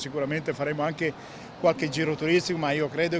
dan juga berpikir bahwa mereka akan menemukan suatu kulturnya yang berbeda